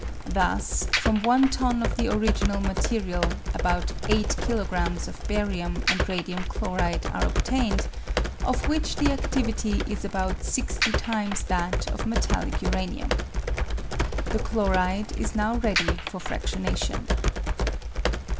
Thus, from one ton of the original material about 8 kilogrms. of barium and radium chloride are obtained, of which the adivity is about sixty times that of metallic uranium. The chloride is now ready for fradionation.